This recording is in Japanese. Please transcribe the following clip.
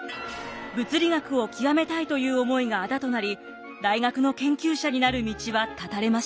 物理学を究めたいという思いがあだとなり大学の研究者になる道は断たれました。